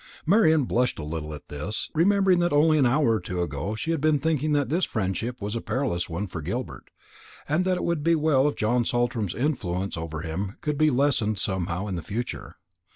Marian blushed a little at this, remembering that only an hour or two ago she had been thinking that this friendship was a perilous one for Gilbert, and that it would be well if John Saltram's influence over him could be lessened somehow in the future.